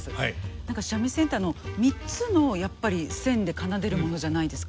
何か三味線ってあの３つのやっぱり線で奏でるものじゃないですか。